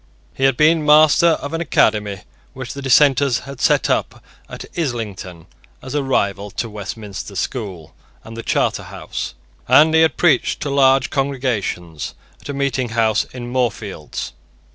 He had been master of an academy which the Dissenters had set up at Islington as a rival to Westminster School and the Charter House; and he had preached to large congregations at a meeting house in Moorfields.